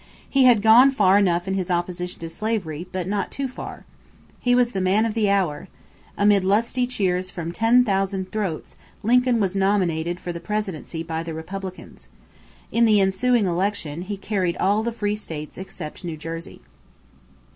He had gone far enough in his opposition to slavery; but not too far. He was the man of the hour! Amid lusty cheers from ten thousand throats, Lincoln was nominated for the presidency by the Republicans. In the ensuing election, he carried all the free states except New Jersey.